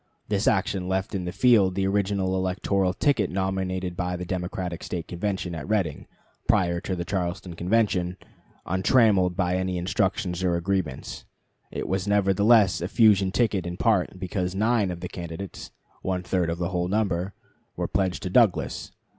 This action left in the field the original electoral ticket nominated by the Democratic State Convention at Reading, prior to the Charleston Convention, untrammeled by any instructions or agreements. It was nevertheless a fusion ticket in part, because nine of the candidates (one third of the whole number) were pledged to Douglas.